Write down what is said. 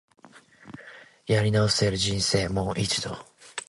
もう一度、人生やり直せるのであれば、